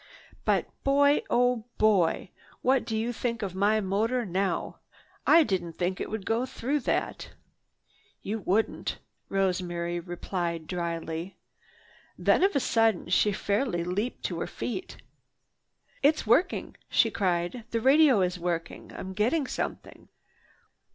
"But boy! Oh boy! What do you think of my motor now? I didn't think it would go through that." "You wouldn't," Rosemary replied drily. Then of a sudden she fairly leaped to her feet. "It's working!" she cried. "The radio is working! I'm getting something.